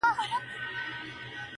o یار راوړی له سپوږمۍ ګل د سوما دی,